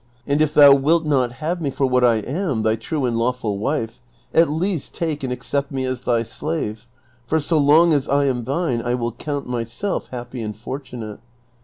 And if thou wilt not have me for what I am, thy true and lawful wife, at least take and accept me as thy slave, for so long as I am thine I will count myself happy and fortunate.